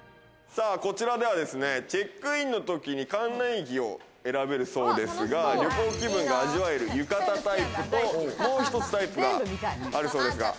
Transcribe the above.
さぁ、こちらではですね、チェックインの時に館内着を選べるそうですが、旅行気分が味わえる浴衣タイプと、もう一つタイプがあるそうです。